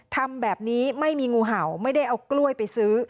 ทำแบบนี้ไม่มีงูเห่าไม่ได้เอากล้วยไปซื้อ